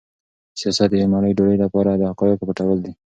سیاست د یوې مړۍ ډوډۍ لپاره د حقایقو پټول دي.